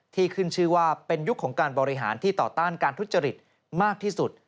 ขึ้นชื่อว่าเป็นยุคของการบริหารที่ต่อต้านการทุจริตมากที่สุด